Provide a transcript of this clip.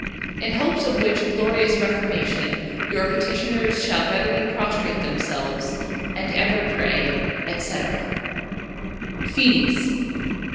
In hopes of which Glorious Reformation, your Petitioners shall readily Prostrate themselves, and ever Pray, &c. FINIS.